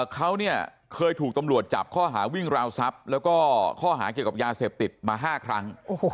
เขาเนี่ยเคยถูกตำรวจจับข้อหาวิ่งราวทรัพย์แล้วก็ข้อหาเกี่ยวกับยาเสพติดมา๕ครั้ง